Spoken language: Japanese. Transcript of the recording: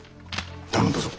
頼んだぞ。